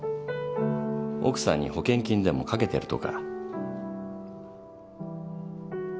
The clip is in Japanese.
奥さんに保険金でもかけてるとか？